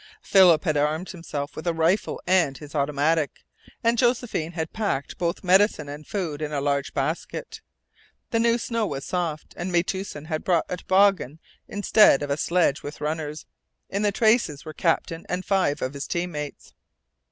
Philip had armed himself with a rifle and his automatic, and Josephine had packed both medicine and food in a large basket. The new snow was soft, and Metoosin had brought a toboggan instead of a sledge with runners. In the traces were Captain and five of his team mates.